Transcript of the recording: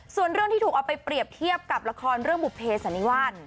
ส่วนเรื่องที่ถูกเอาไปเปรียบเทียบกับละครเรื่องบุภเสันนิวาส